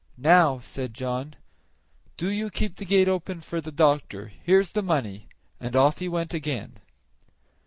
"Now," said John, "do you keep the gate open for the doctor; here's the money," and off he went again.